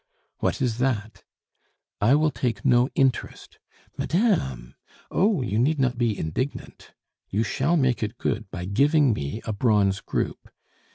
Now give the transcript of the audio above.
"What is that?" "I will take no interest " "Madame!" "Oh, you need not be indignant; you shall make it good by giving me a bronze group.